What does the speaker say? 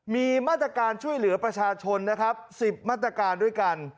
มีมาตรการช่วยเหลือประชาชนนะครับ๑๐มาตรการด้วยกัน